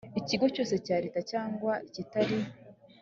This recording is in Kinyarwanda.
ikigo cyose cya leta cyangwa ikitari